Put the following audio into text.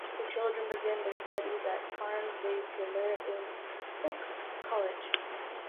The children begin their studies at the Carmes de Semur-en-Auxois college.